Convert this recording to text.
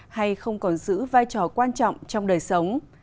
hay không còn giữ vai trò quan trọng trong đời sống